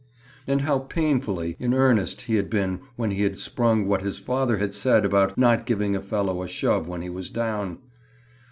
And how painfully in earnest he had been when he had sprung what his father had said about not giving a fellow a shove when he was down!